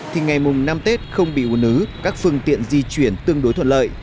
thì ngày mùng năm tết không bị ủ nứ các phương tiện di chuyển tương đối thuận lợi